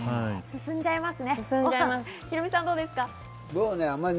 進んじゃいます。